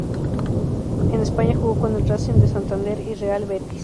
En España jugó con el Racing de Santander y Real Betis.